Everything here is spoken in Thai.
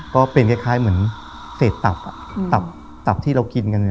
ก็เป็นคล้ายเหมือนเศษตับตับตับที่เรากินกัน